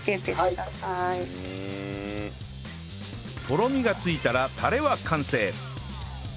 とろみがついたらタレは完成